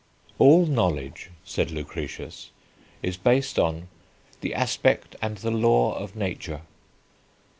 All knowledge, said Lucretius, is based on "the aspect and the law of nature."